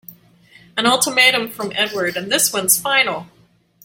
An ultimatum from Edward and this one's final!